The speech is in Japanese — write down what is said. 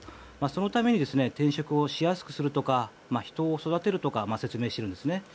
そのために転職をしやすくするとか人を育てるとかと説明しているんですね。